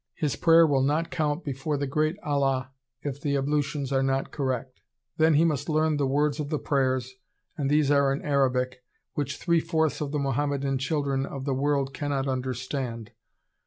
His prayer will not count before the great "Allah" if the ablutions are not correct. Then he must learn the words of the prayers, and these are in Arabic, which three fourths of the Mohammedan children of the world cannot understand.